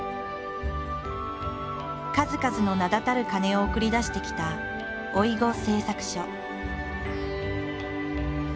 数々の名だたる鐘を送り出してきた老子製作所。